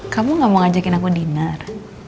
kamu gak mau ngajakin aku dinner